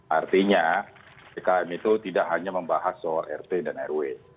artinya pkm itu tidak hanya membahas soal rt dan rw